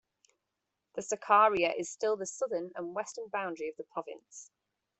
The Sakarya is still the southern and western boundary of the province.